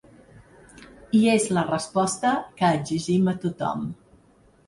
I és la resposta que exigim a tothom.